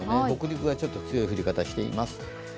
北陸がちょっと強い降り方をしています。